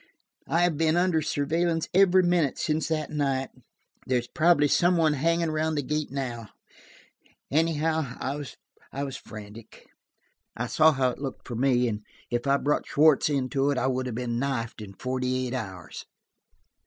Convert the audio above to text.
"I have been under surveillance every minute since that night. There's probably some one hanging around the gate now. Anyhow, I was frantic. I saw how it looked for me, and if I had brought Schwartz into it, I would have been knifed in forty eight hours.